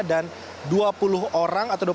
dan dua puluh orang atau dua puluh korban